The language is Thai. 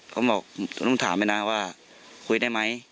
เขาบอกต้องถามไปนะว่าคุยได้ไหม